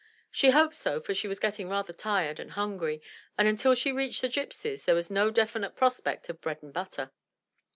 She hoped so, for she was getting rather tired and hungry, and until she reached the gypsies, there was no definite prospect of bread and butter.